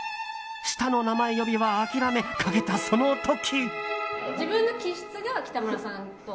下の名前呼びは諦めかけたその時。